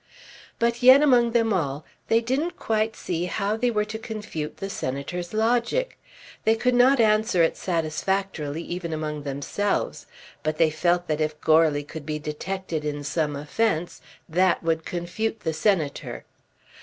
But yet among them all they didn't quite see how they were to confute the Senator's logic. They could not answer it satisfactorily, even among themselves; but they felt that if Goarly could be detected in some offence, that would confute the Senator.